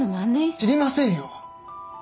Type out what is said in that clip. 知りませんよ。